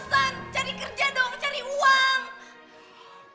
males malesan cari kerja dong cari uang